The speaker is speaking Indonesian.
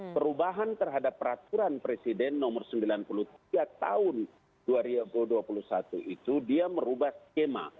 perubahan terhadap peraturan presiden nomor sembilan puluh tiga tahun dua ribu dua puluh satu itu dia merubah skema